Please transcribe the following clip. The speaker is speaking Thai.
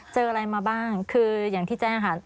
เจออะไรมาบ้างคืออย่างที่แจ้งค่ะ